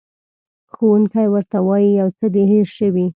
ښوونکی ورته وایي، یو څه دې هېر شوي.